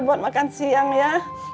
buat makan siang ya